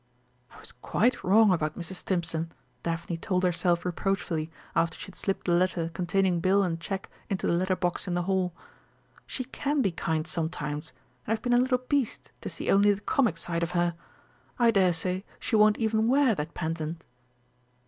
"I was quite wrong about Mrs. Stimpson," Daphne told herself reproachfully, after she had slipped the letter containing bill and cheque into the letter box in the hall. "She can be kind sometimes, and I've been a little beast to see only the comic side of her! I daresay she won't even wear that pendant."